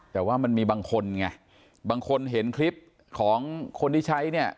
แต่ว่ามันมีบางคนไงบางคนเห็นคลิปของคนที่ใช้เนี่ย